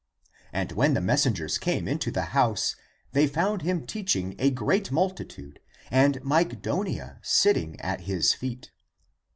And when the messengers came into the house, they found him teaching a great multitude, and Mygdonia sitting at his feet.